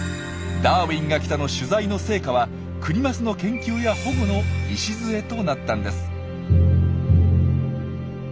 「ダーウィンが来た！」の取材の成果はクニマスの研究や保護の礎となったんです。